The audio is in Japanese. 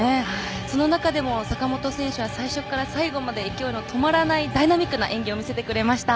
その中でも坂本選手は最初から最後まで勢いの止まらないダイナミックな演技を見せてくれました。